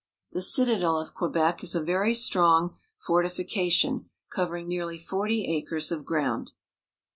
The citadel of Quebec is a very strong fortifi cation covering nearly forty acres of ground.